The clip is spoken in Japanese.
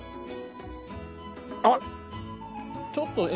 あっ。